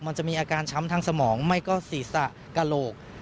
มันจะมีอาการช้ำทางสมองไม่ก็ศีรษะกระโหลก